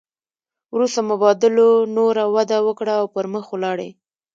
وروسته مبادلو نوره وده وکړه او پرمخ ولاړې